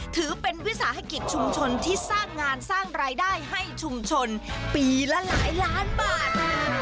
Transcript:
ถือเป็นวิสาหกิจชุมชนที่สร้างงานสร้างรายได้ให้ชุมชนปีละหลายล้านบาท